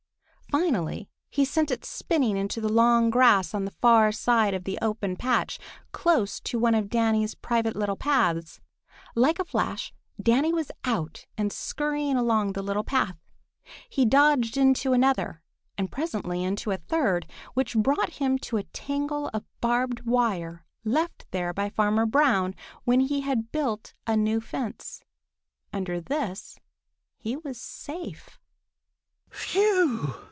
Finally he sent it spinning into the long grass on the far side of the open patch, close to one of Danny's private little paths. Like a flash Danny was out and scurrying along the little path. He dodged into another and presently into a third, which brought him to a tangle of barbed wire left there by Farmer Brown when he had built a new fence. Under this he was safe. "Phew!"